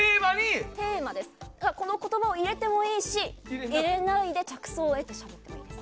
その言葉を入れてもいいし入れないで着想を得てしゃべってもいいです。